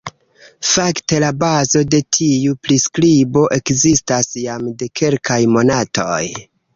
Fakte la bazo de tiu priskribo ekzistas jam de kelkaj monatoj.